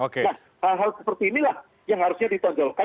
nah hal hal seperti inilah yang harusnya ditonjolkan